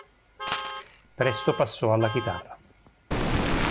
Presto passò alla chitarra.